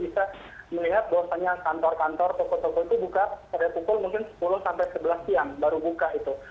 kita melihat bahwasannya kantor kantor toko toko itu buka pada pukul mungkin sepuluh sampai sebelas siang baru buka itu